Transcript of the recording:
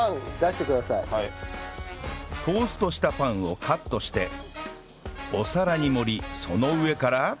トーストしたパンをカットしてお皿に盛りその上から